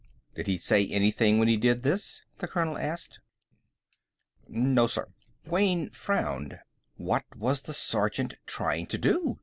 "Did he say anything when he did this?" the Colonel asked. "No, sir." Wayne frowned. What was the sergeant trying to do?